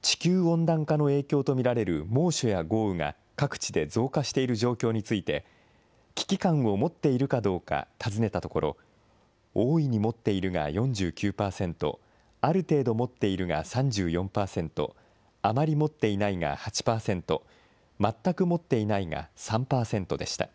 地球温暖化の影響と見られる猛暑や豪雨が各地で増加している状況について、危機感を持っているかどうか尋ねたところ、大いに持っているが４９％、ある程度持っているが３４％、あまり持っていないが８％、全く持っていないが３％でした。